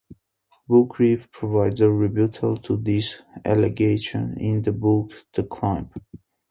Boukreev provides a rebuttal to these allegations in his book, "The Climb".